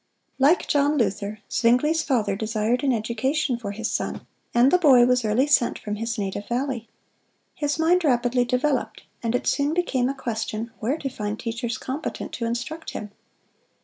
Like John Luther, Zwingle's father desired an education for his son, and the boy was early sent from his native valley. His mind rapidly developed, and it soon became a question where to find teachers competent to instruct him.